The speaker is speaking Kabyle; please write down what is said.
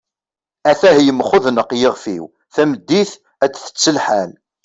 at-ah yemxudneq yixef-iw, tameddit ad tett lḥal